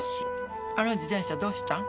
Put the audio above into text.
あの自転車どうしたん？